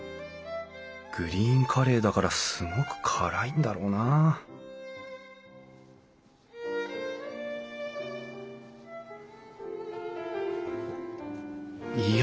グリーンカレーだからすごく辛いんだろうないや！